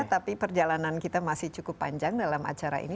tapi perjalanan kita masih cukup panjang dalam acara ini